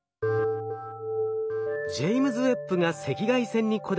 ジェイムズ・ウェッブが赤外線にこだわる理由。